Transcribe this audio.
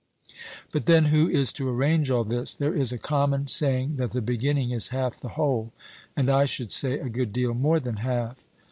But then who is to arrange all this? There is a common saying, that the beginning is half the whole; and I should say a good deal more than half.